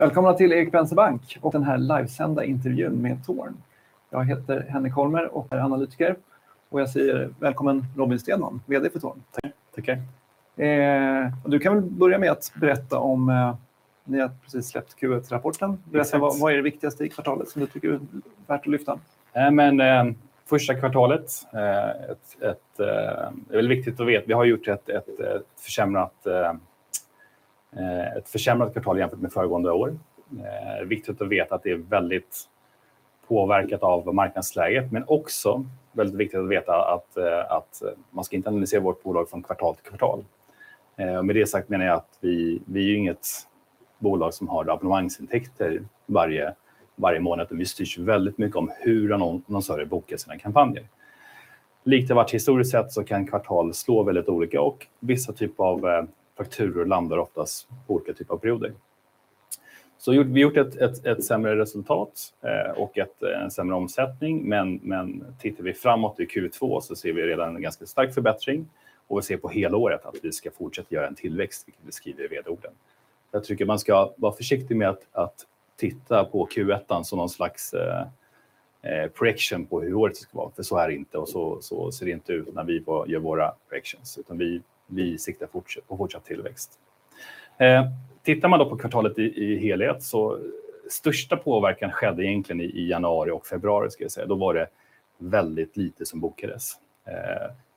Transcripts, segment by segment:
Välkomna till Erik Penser Bank och den här livesända intervjun med Tourn. Jag heter Henrik Holmer och är analytiker och jag säger välkommen Robin Stenman, VD för Tourn. Tackar, tackar. Du kan väl börja med att berätta om ni har precis släppt Q1-rapporten. Berätta vad är det viktigaste i kvartalet som du tycker är värt att lyfta? Första kvartalet är väl viktigt att veta. Vi har gjort ett försämrat kvartal jämfört med föregående år. Det är viktigt att veta att det är väldigt påverkat av marknadsläget, men också väldigt viktigt att veta att man ska inte analysera vårt bolag från kvartal till kvartal. Med det sagt menar jag att vi är ju inget bolag som har abonnemangsintäkter varje månad och vi styrs väldigt mycket om hur annonsörer bokar sina kampanjer. Like it var historiskt sett så kan kvartal slå väldigt olika och vissa typ av fakturor landar oftast på olika typ av perioder. Vi har gjort ett sämre resultat och en sämre omsättning. Tittar vi framåt i Q2, så ser vi redan en ganska stark förbättring, och vi ser på helåret att vi ska fortsätta göra en tillväxt, vilket vi skriver i VD-orden. Jag tycker man ska vara försiktig med att titta på Q1 som någon slags projection på hur året ska vara. Det är inte, och så ser det inte ut när vi gör våra projections, utan vi siktar på fortsatt tillväxt. Tittar man då på kvartalet i helhet, så största påverkan skedde egentligen i januari och februari, ska jag säga. Då var det väldigt lite som bokades.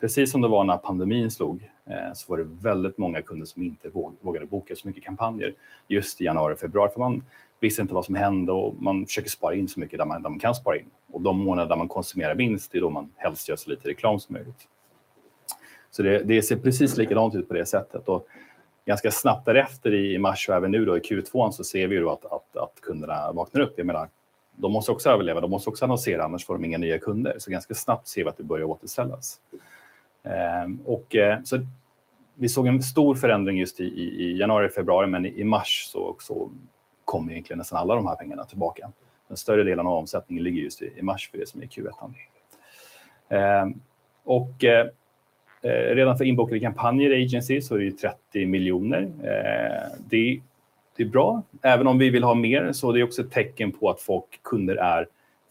Precis som det var när pandemin slog, så var det väldigt många kunder som inte vågade boka så mycket kampanjer just i januari och februari. Man visste inte vad som hände och man försöker spara in så mycket där man kan spara in. De månader där man konsumerar minst, det är då man helst gör så lite reklam som möjligt. Det ser precis likadant ut på det sättet. Ganska snabbt därefter i mars och även nu då i Q2 så ser vi ju då att kunderna vaknar upp. Jag menar, de måste också överleva, de måste också annonsera, annars får de inga nya kunder. Ganska snabbt ser vi att det börjar återställas. Vi såg en stor förändring just i januari, februari, men i mars så kom egentligen nästan alla de här pengarna tillbaka. Den större delen av omsättningen ligger just i mars för det som är Q1 anledningen. Redan för inbokade kampanjer agency så är det ju SEK 30 million. Det är bra. Även om vi vill ha mer så är det också ett tecken på att folk, kunder är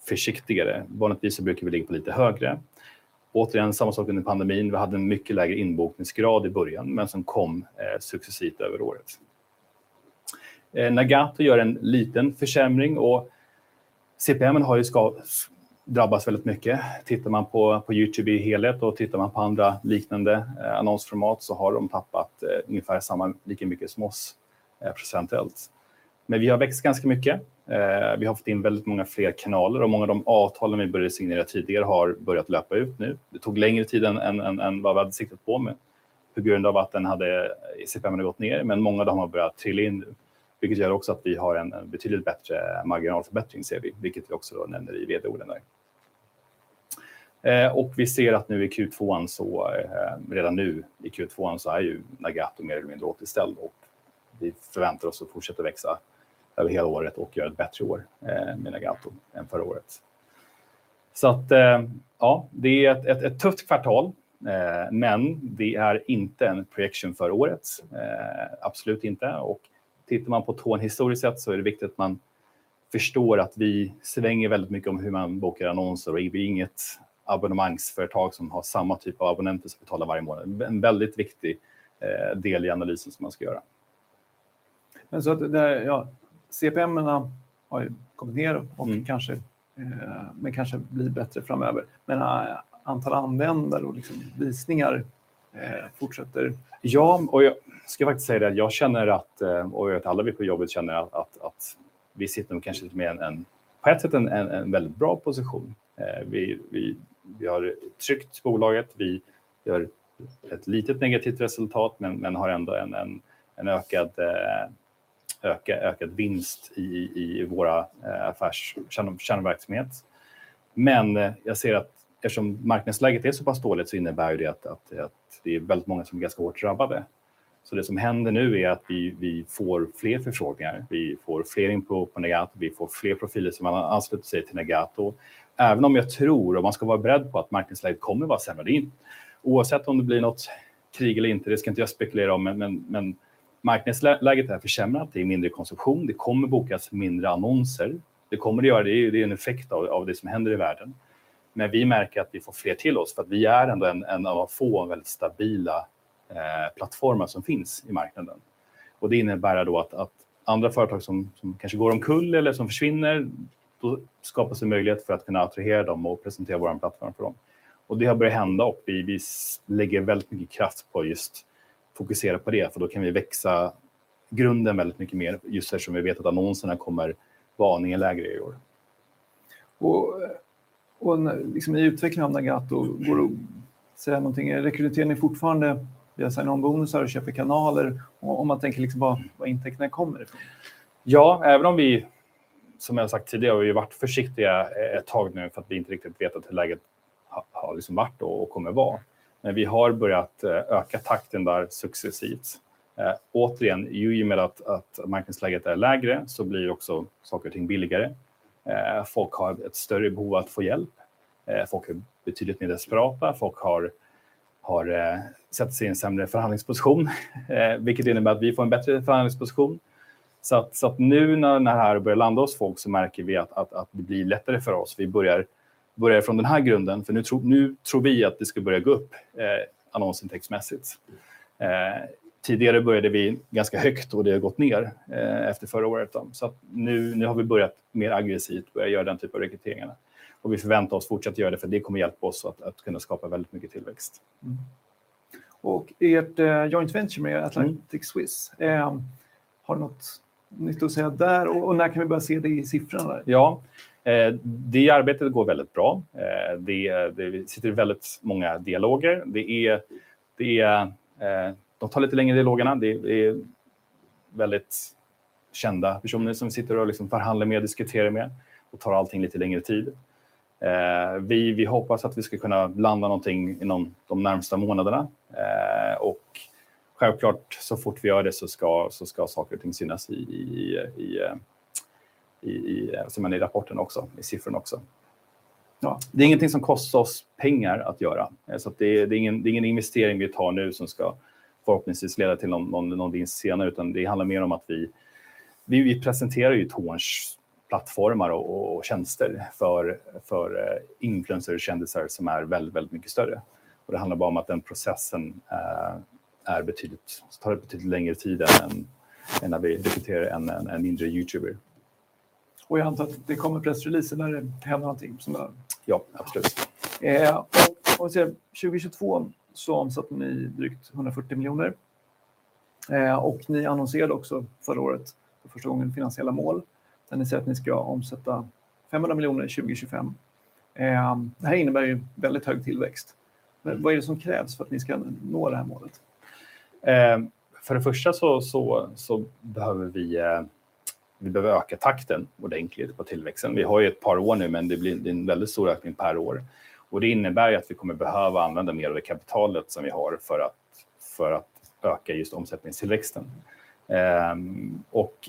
försiktigare. Vanligtvis brukar vi ligga på lite högre. Återigen, samma sak under pandemin. Vi hade en mycket lägre inbokningsgrad i början, men som kom successivt över året. NAGATO gör en liten försämring och CPM-en har ju drabbats väldigt mycket. Tittar man på YouTube i helhet och tittar man på andra liknande annonsformat så har de tappat ungefär samma, lika mycket som oss procentuellt. Vi har växt ganska mycket. Vi har fått in väldigt många fler kanaler och många av de avtalen vi började signera tidigare har börjat löpa ut nu. Det tog längre tid än vad vi hade siktat på på grund av att den hade, CPM hade gått ner. Många av dem har börjat trilla in nu, vilket gör också att vi har en betydligt bättre marginalförbättring ser vi, vilket vi också nämner i VD-orden där. Vi ser att nu i Q2, redan nu i Q2 är Nagato mer eller mindre återställd och vi förväntar oss att fortsätta växa över hela året och göra ett bättre år med Nagato än förra året. Ja, det är ett tufft kvartal. Det är inte en projection för året. Absolut inte. Tittar man på Tourn historiskt sett så är det viktigt att man förstår att vi svänger väldigt mycket om hur man bokar annonser. Vi är inget abonnemangsföretag som har samma typ av abonnenter som betalar varje månad. En väldigt viktig del i analysen som man ska göra. att det där, ja, CPM-ena har ju kommit ner och kanske, men kanske blir bättre framöver. Antal användare och liksom visningar, fortsätter. Jag ska faktiskt säga det att jag känner att, och jag vet att alla vi på jobbet känner att vi sitter nog kanske lite med en på ett sätt en väldigt bra position. Vi har ett tryggt bolaget. Vi gör ett litet negativt resultat, men har ändå en ökad vinst i våra kärnverksamhet. Jag ser att eftersom marknadsläget är så pass dåligt så innebär ju det att det är väldigt många som är ganska hårt drabbade. Det som händer nu är att vi får fler förfrågningar, vi får fler info på NAGATO, vi får fler profiler som ansluter sig till NAGATO. Även om jag tror och man ska vara beredd på att marknadsläget kommer vara sämre än det är. Oavsett om det blir något krig eller inte, det ska inte jag spekulera om, men, men marknadsläget är försämrat, det är mindre konsumtion. Det kommer bokas mindre annonser. Det kommer det göra, det är ju, det är en effekt av det som händer i världen. Vi märker att vi får fler till oss för att vi är ändå en av få väldigt stabila, eh, plattformar som finns i marknaden. Det innebär då att andra företag som kanske går omkull eller som försvinner, då skapas en möjlighet för att kunna attrahera dem och presentera vår plattform för dem. Det har börjat hända och vi lägger väldigt mycket kraft på just fokusera på det, för då kan vi växa grunden väldigt mycket mer, just eftersom vi vet att annonserna kommer vara aningen lägre i år. Liksom i utvecklingen av NAGATO går det att säga någonting? Är rekryteringen fortfarande via sign-on bonusar och köper kanaler? Om man tänker liksom var intäkterna kommer ifrån. Även om vi, som jag har sagt tidigare, har ju varit försiktiga ett tag nu för att vi inte riktigt vetat hur läget har liksom varit och kommer vara. Vi har börjat öka takten där successivt. Återigen, i och med att marknadsläget är lägre så blir ju också saker och ting billigare. Folk har ett större behov att få hjälp. Folk är betydligt mer desperata. Folk har satt sig i en sämre förhandlingsposition, vilket innebär att vi får en bättre förhandlingsposition. Nu när det här börjar landa hos folk så märker vi att det blir lättare för oss. Vi börjar från den här grunden för nu tror vi att det ska börja gå upp annonsintäktsmässigt. Tidigare började vi ganska högt och det har gått ner efter förra året då. Nu har vi börjat mer aggressivt börja göra den typen av rekryteringarna och vi förväntar oss fortsätta göra det för det kommer hjälpa oss att kunna skapa väldigt mycket tillväxt. Ert joint venture med Atlantic Swiss, har du något nytt att säga där? När kan vi börja se det i siffrorna? Det arbetet går väldigt bra. Det sitter i väldigt många dialoger. Det är de tar lite längre dialogerna. Det är väldigt kända personer som vi sitter och liksom förhandlar med, diskuterar med. Då tar allting lite längre tid. Vi hoppas att vi ska kunna landa någonting inom de närmsta månaderna. Självklart, så fort vi gör det så ska saker och ting synas i som i rapporten också, i siffrorna också. Det är ingenting som kostar oss pengar att göra. Det är ingen investering vi tar nu som ska förhoppningsvis leda till någonting senare. Det handlar mer om att vi presenterar ju två sorts plattformar och tjänster för influencers och kändisar som är väldigt mycket större. Det handlar bara om att den processen tar betydligt längre tid än när vi diskuterar en mindre YouTuber. Jag antar att det kommer pressreleaser när det händer någonting som? Ja, absolut. Om vi ser 2022 så omsatte ni drygt SEK 140 million. Ni annonserade också förra året för första gången finansiella mål. Där ni säger att ni ska omsätta SEK 500 million 2025. Det här innebär ju väldigt hög tillväxt. Vad är det som krävs för att ni ska nå det här målet? För det första så behöver vi behöver öka takten och den på tillväxten. Vi har ju ett par år nu. Det är en väldigt stor ökning per år. Det innebär ju att vi kommer behöva använda mer av det kapitalet som vi har för att öka just omsättningstillväxten.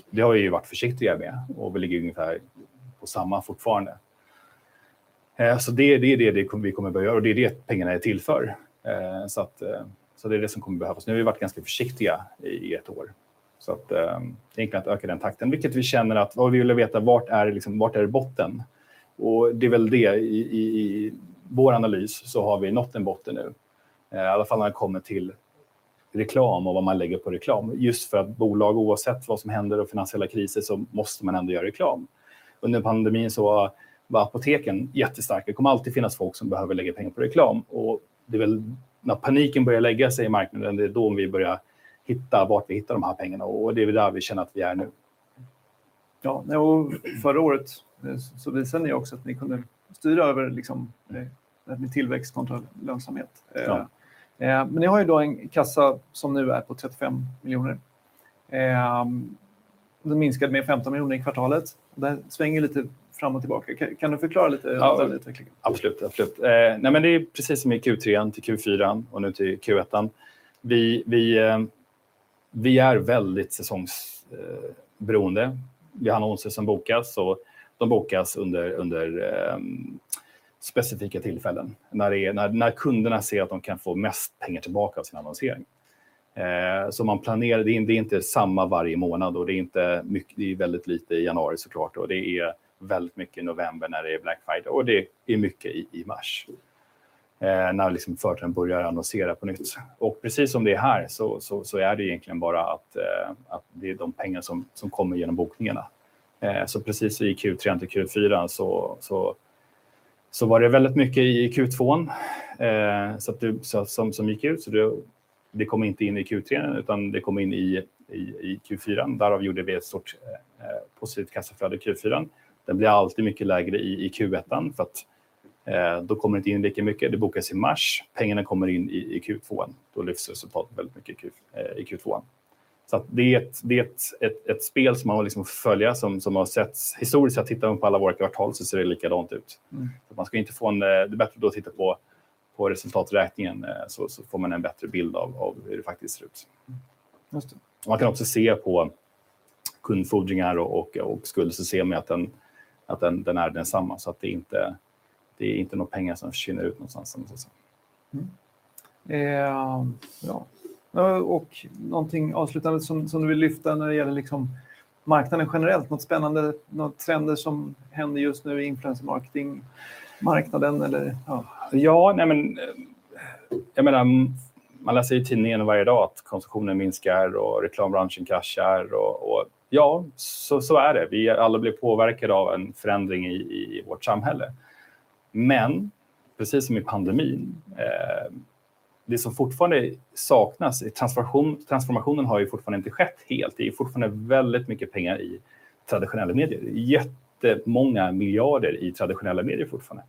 Det har vi ju varit försiktiga med och vi ligger ungefär på samma fortfarande. Det är det vi kommer börja göra och det är det pengarna är till för. Det är det som kommer behövas. Nu har vi varit ganska försiktiga i ett år. Enklare att öka den takten, vilket vi känner att vi vill veta vart är det botten. Det är väl det i vår analys så har vi nått en botten nu. I alla fall när det kommer till reklam och vad man lägger på reklam. Just för att bolag, oavsett vad som händer och finansiella kriser, så måste man ändå göra reklam. Under pandemin så var Apoteken jättestarka. Det kommer alltid finnas folk som behöver lägga pengar på reklam och det är väl när paniken börjar lägga sig i marknaden, det är då vi börjar hitta vart vi hittar de här pengarna. Det är där vi känner att vi är nu. Ja, nej förra året så visade ni ju också att ni kunde styra över liksom med tillväxt kontra lönsamhet. Ja. Ni har ju då en kassa som nu är på SEK 35 million. Den minskade med SEK 15 million i kvartalet. Det svänger lite fram och tillbaka. Kan du förklara lite? Absolut, absolut. Det är precis som i Q3 till Q4 och nu till Q1. Vi är väldigt säsongsberoende. Vi har annonser som bokas och de bokas under specifika tillfällen. När kunderna ser att de kan få mest pengar tillbaka av sin annonsering. Man planerar in, det är inte samma varje månad och det är inte mycket, det är väldigt lite i januari så klart. Det är väldigt mycket i november när det är Black Friday och det är mycket i mars. När liksom företagen börjar annonsera på nytt. Precis som det är här så är det egentligen bara att det är de pengar som kommer genom bokningarna. Precis i Q3 till Q4 så var det väldigt mycket i Q2, så att, som gick ut. Det kom inte in i Q3 utan det kom in i Q4. Därav gjorde vi ett stort positivt kassaflöde i Q4. Den blir alltid mycket lägre i Q1 för att då kommer det inte in lika mycket. Det bokas i mars. Pengarna kommer in i Q2. Då lyfts resultatet väldigt mycket i Q2. Det är ett spel som man liksom får följa som har setts historiskt. Jag tittar på alla våra kvartal så ser det likadant ut. Det är bättre att titta på resultaträkningen så får man en bättre bild av hur det faktiskt ser ut. Just det. Man kan också se på kundfordringar och skuldsedeln med att den är densamma. Det är inte några pengar som försvinner ut någonstans om jag säger så. Någonting avslutande som du vill lyfta när det gäller liksom marknaden generellt, något spännande, trender som händer just nu i influencer marketing marknaden eller? Ja, nej men, jag menar, man läser ju i tidningen varje dag att konsumtionen minskar och reklambranschen kraschar. Och ja, så, så är det. Vi alla blir påverkade av en förändring i, i vårt samhälle. Men precis som i pandemin, eh, det som fortfarande saknas i transformation. Transformationen har ju fortfarande inte skett helt. Det är fortfarande väldigt mycket pengar i traditionella medier, jättemånga miljarder i traditionella medier fortfarande.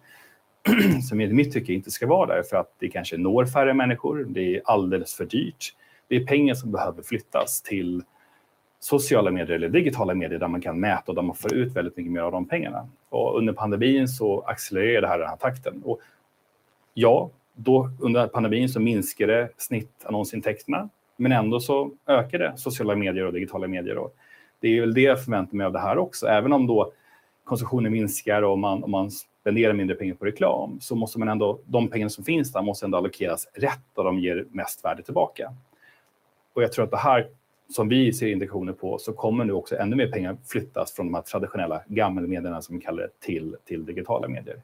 Som i mitt tycke inte ska vara där för att det kanske når färre människor. Det är alldeles för dyrt. Det är pengar som behöver flyttas till sociala medier eller digitala medier där man kan mäta och där man får ut väldigt mycket mer av de pengarna. Och under pandemin så accelererar det här den här takten. Och ja, då under pandemin så minskar det snittannonsintäkterna, men ändå så ökar det sociala medier och digitala medier då. Det är väl det jag förväntar mig av det här också. Även om då konsumtionen minskar och om man spenderar mindre pengar på reklam, så måste man ändå de pengar som finns där måste ändå allokeras rätt där de ger mest värde tillbaka. Jag tror att det här som vi ser indikationer på så kommer nu också ännu mer pengar flyttas från de här traditionella gammelmedierna som vi kallar det, till digitala medier.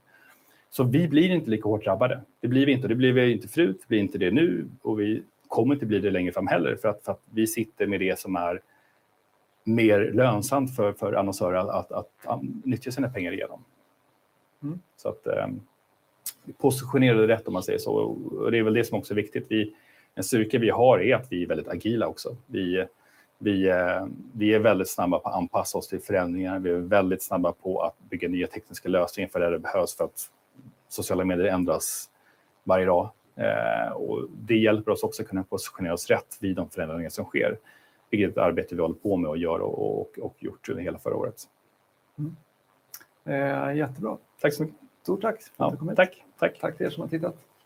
Vi blir inte lika hårt drabbade. Det blir vi inte. Det blev vi inte förut. Det blir inte det nu och vi kommer inte bli det längre fram heller. För att vi sitter med det som är mer lönsamt för annonsörer att nyttja sina pengar igenom. Vi positionerar det rätt om man säger så. Det är väl det som också är viktigt. Vi, en styrka vi har är att vi är väldigt agila också. Vi är väldigt snabba på att anpassa oss till förändringar. Vi är väldigt snabba på att bygga nya tekniska lösningar för det behövs för att sociala medier ändras varje dag. Det hjälper oss också kunna positionera oss rätt vid de förändringar som sker. Vilket är ett arbete vi håller på med och gör och gjort under hela förra året. Jättebra. Tack så mycket. Stort tack för att du kom hit. Tack. Tack. Tack till er som har tittat.